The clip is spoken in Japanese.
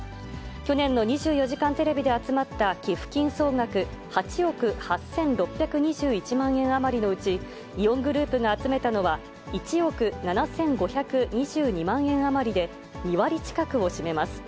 去年の２４時間テレビで集まった寄付金総額８億８６２１万円余りのうち、イオングループが集めたのは１億７５２２万円余りで、２割近くを占めます。